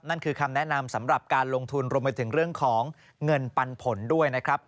นั่นคือคำแนะนำสำหรับการลงทุนรวมไปถึงเรื่องของเงินปันผลด้วยนะครับ